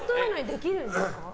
できるんです。